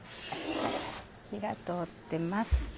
火が通ってます。